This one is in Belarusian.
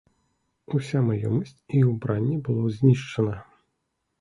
Уся маёмасць і ўбранне было знішчана.